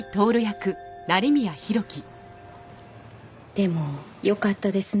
でもよかったですね